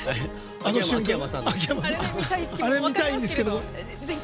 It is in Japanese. あれ見たいんですけど。